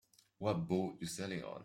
What boat you sailing on?